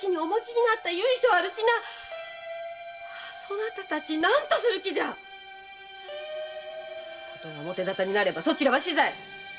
そなたたち何とする気じゃ事が表沙汰になればそなたたちは死罪。